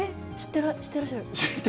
知ってらっしゃる？